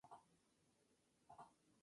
Según la región hay distintas variaciones.